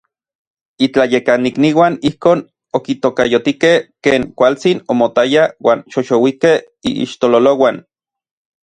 Itlayekanikniuan ijkon okitokayotikej ken kualtsin omotaya uan xoxouikej iixtololouan.